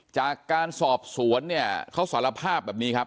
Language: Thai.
จากการสอบสวนเนี่ยเขาสารภาพแบบนี้ครับ